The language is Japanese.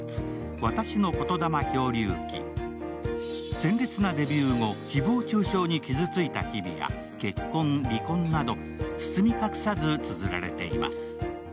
鮮烈なデビュー後、誹謗中傷に傷ついた日々や結婚、離婚など包み隠さずつづられています。